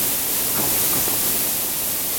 Kalın kafalı.